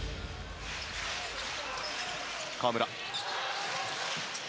河村。